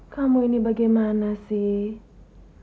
kamu ini bagaimana sih